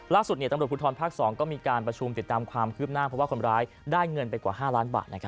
ตำรวจภูทรภาค๒ก็มีการประชุมติดตามความคืบหน้าเพราะว่าคนร้ายได้เงินไปกว่า๕ล้านบาท